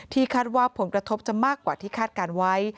คาดว่าผลกระทบจะมากกว่าที่คาดการณ์ไว้